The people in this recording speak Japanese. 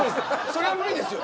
それは無理ですよ